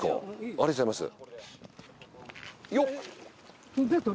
ありがとうございます。